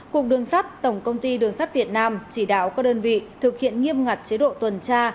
cục đường sắt tổng công ty đường sắt việt nam chỉ đạo các đơn vị thực hiện nghiêm ngặt chế độ tuần tra